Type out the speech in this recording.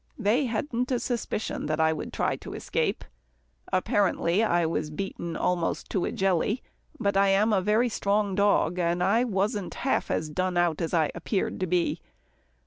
They hadn't a suspicion that I would try to escape. Apparently, I was beaten almost to a jelly, but I am a very strong dog, and I wasn't half as done out as I appeared to be.